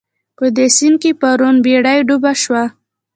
په دې سيند کې پرون بېړۍ ډوبه شوه